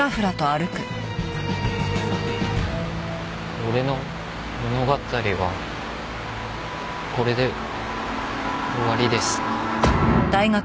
俺の物語はこれで終わりです。